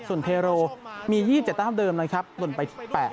ส่วนเทโรมี๒๗แต้มเดิมนะครับหล่นไปที่๘